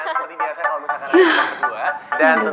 dan seperti biasa kalau misalkan ada dua